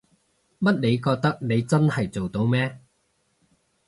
乜你覺得你真係做到咩？